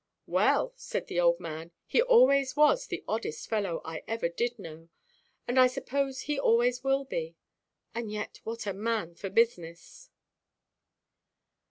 "Well," said the old man, "he always was the oddest fellow I ever did know; and I suppose he always will be. And yet what a man for business!"